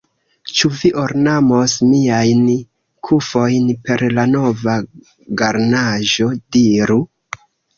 Ĉu vi ornamos miajn kufojn per la nova garnaĵo, diru?